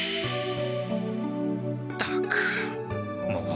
ったくもう。